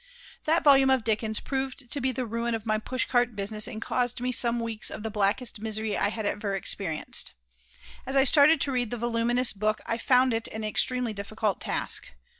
That volume of Dickens proved to be the ruin of my push cart business and caused me some weeks of the blackest misery I had ever experienced As I started to read the voluminous book I found it an extremely difficult task.